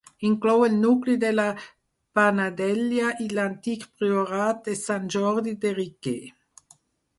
Inclou el nucli de la Panadella i l'antic priorat de Sant Jordi de Riquer.